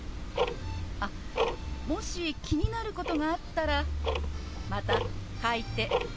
あっもし気になることがあったらまた書いて教えて。